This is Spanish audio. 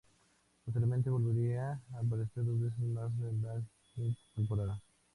Posteriormente, volvería a aparecer dos veces más en la quinta temporada.